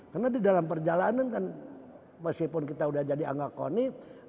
karena di dalam perjalanan kan meskipun kita sudah jadi angga koni